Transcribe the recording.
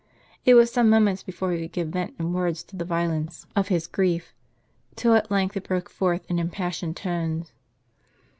It was some moments before he could give vent in words to the violence of his grief, till at length it broke forth in impassioned tones.